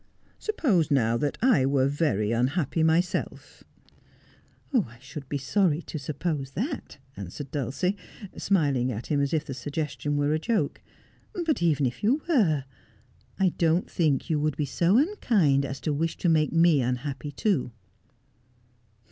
Suppose now that I were very unhappy myself 1 '' I should be sorry to suppose that,' answered Dulcie, smiling at him as if the suggestion were a joke ;' but even if you were, I don't think you would be so unkind as to wish to make me unhappy too.'